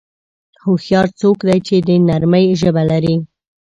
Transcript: هوښیار څوک دی چې د نرمۍ ژبه لري.